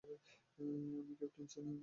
আমি ক্যাপ্টেন চেনি।